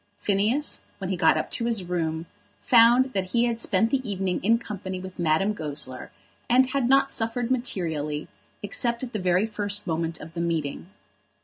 Phineas, when he got up to his room, found that he had spent the evening in company with Madame Goesler, and had not suffered materially, except at the very first moment of the meeting.